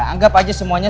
anggap aja semuanya